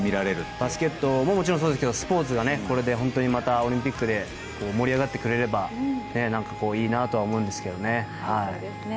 バスケットもそうですけどスポーツがこれでまたオリンピックで盛り上がってくれればいいなと思いますけどね。